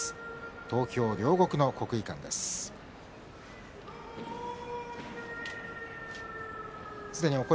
東京・両国の国技館です。